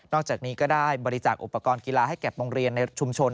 จากนี้ก็ได้บริจาคอุปกรณ์กีฬาให้แก่โรงเรียนในชุมชน